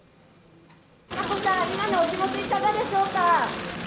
眞子さん、今のお気持ちいかがでしょうか。